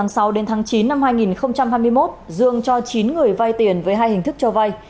tháng sáu đến tháng chín năm hai nghìn hai mươi một dương cho chín người vay tiền với hai hình thức cho vay